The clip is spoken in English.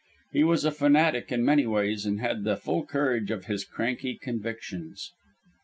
He was a fanatic in many ways, and had the full courage of his cranky convictions.